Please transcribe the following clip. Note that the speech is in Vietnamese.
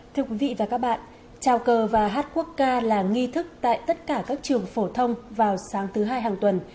thưa quý vị và các bạn trào cờ và hát quốc ca là nghi thức tại tất cả các trường phổ thông vào sáng thứ hai hàng tuần